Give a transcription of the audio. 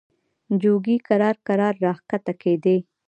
جوګي کرار کرار را کښته کېدی.